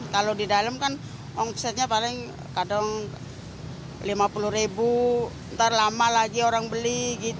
kalau di dalam kan omsetnya paling kadang rp lima puluh ribu ntar lama lagi orang beli